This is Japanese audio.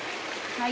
はい。